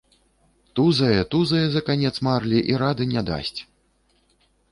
Тузае, тузае за канец марлі і рады не дасць.